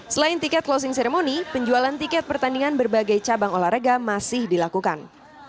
selain tiket closing ceremony penjualan tiket pertandingan berbagai cabang olahraga masih dilakukan